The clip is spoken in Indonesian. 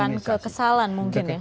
penumpukan kekesalan mungkin ya